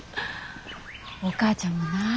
お母ちゃんもな